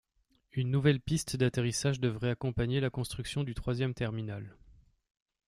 Une nouvelle piste d’atterrissage devrait accompagner la construction du troisième terminal.